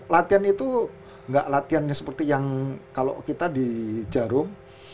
latihan itu nggak latihannya seperti yang kalau kita di jarum